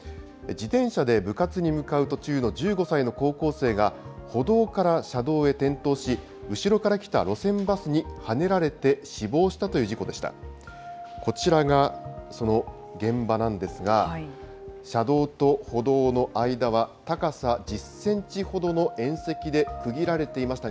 自転車で部活に向かう途中の１５歳の高校生が、歩道から車道へ転倒し、後ろから来た路線バスにはねられて死亡したという事故でした。